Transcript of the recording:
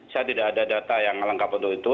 saya tidak ada data yang lengkap untuk itu